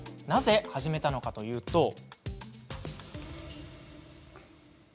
なぜ始めたのかというと。